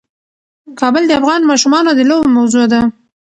کابل د افغان ماشومانو د لوبو موضوع ده.